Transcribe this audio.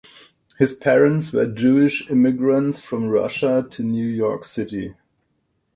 His parents were Jewish emigrants from Russia to New York City.